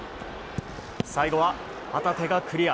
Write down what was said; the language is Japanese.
最後は旗手がクリア。